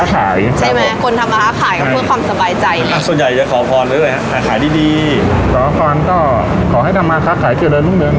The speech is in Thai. อ่ะขายดีดีขอพรก็ขอให้ทำมาค้าขายเกี่ยวกันหนึ่งหนึ่ง